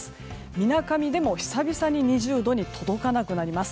みなかみでも、久々に２０度に届かなくなります。